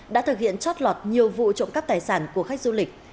đã thực hiện chót lọt nhiều vụ trộm cắp tài sản của khách du lịch